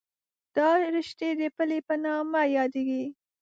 دا رشتې د پلې په نامه یادېږي.